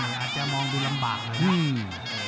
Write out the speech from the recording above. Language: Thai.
อาจจะมองดูลำบากเลยนะ